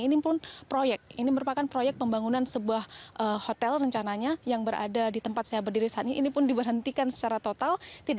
ini pun proyek ini merupakan proyek pembangunan sebuah hotel rencananya yang berada di tempat saya berdiri saat ini pun diberhentikan secara total